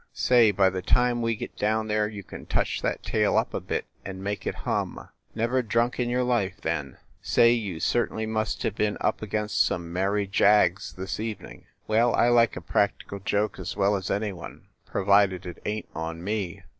Say, by the time we get down there you can touch that tale up a bit and make it hum ! Never drunk in your life, then ? Say, you certainly must have been up against some merry jags this evening! Well, I like a practical joke as well as any one, provided it ain t on me.